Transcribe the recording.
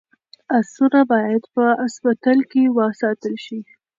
اسونه باید په اصطبل کي وساتل شي.